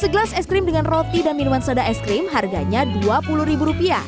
segelas es krim dengan roti dan minuman soda es krim harganya rp dua puluh